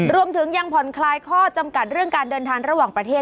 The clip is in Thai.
รวมถึงยังผ่อนคลายข้อจำกัดเรื่องการเดินทางระหว่างประเทศ